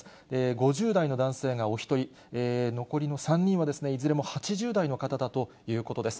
５０代の男性がお１人、残りの３人はいずれも８０代の方だということです。